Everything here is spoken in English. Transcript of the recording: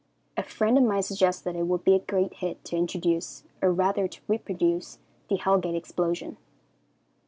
A friend of mine suggests that it would be a great hit to introduce, or rather to reproduce, the Hell Gate explosion.